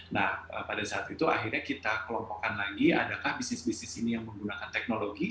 nah pada saat itu akhirnya kita kelompokkan lagi adakah bisnis bisnis ini yang menggunakan teknologi